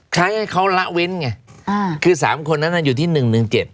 ให้เขาละเว้นไงอ่าคือสามคนนั้นน่ะอยู่ที่หนึ่งหนึ่งเจ็ด